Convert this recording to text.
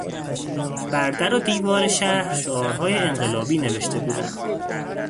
بر در و دیوار شهر شعارهای انقلابی نوشته بودند.